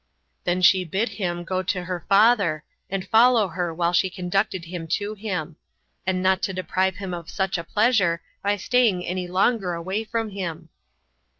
Then she bid him go to her father, and follow her while she conducted him to him; and not to deprive him of such a pleasure, by staying any longer away from him.